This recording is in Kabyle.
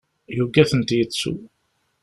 Yugi ad tent-yettu.